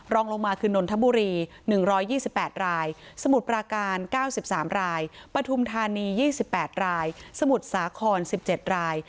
รองลงมาคือนนทบุรี๑๒๘รายสมุทรปราการ๙๓รายปฐุมธานี๒๘รายสมุทรสาคร๑๗ราย